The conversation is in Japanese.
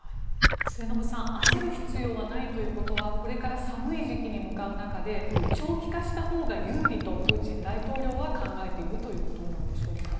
末延さん焦る必要はないということはこれから寒い時期に向かう中で長期化したほうが有利とプーチン大統領は考えているということなんでしょうか。